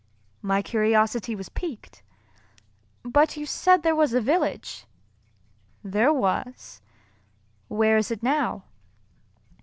My curiosity was piqued, "But you said there was a village." "There was." "Where is it now?"